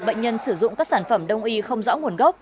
bệnh nhân sử dụng các sản phẩm đông y không rõ nguồn gốc